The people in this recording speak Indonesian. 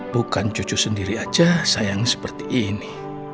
bukan cucu sendiri aja sayang seperti ini